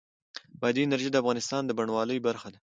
بادي انرژي د افغانستان د بڼوالۍ برخه ده.